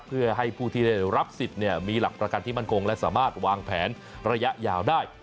เพื่อให้ผู้ที่ได้รับสิทธิ์มีหลักประกันที่มั่นคงและสามารถวางแผนระยะยาวได้